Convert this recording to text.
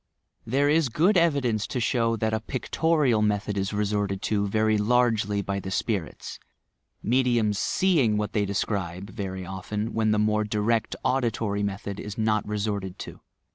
There is good evidence to show that a pictorial method is resorted to very largely by the spirits— mediums seeing what they describe, very often, when the more direct auditory method is not resorted to.